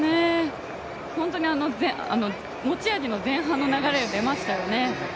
本当に持ち味の前半の流れが出ましたよね。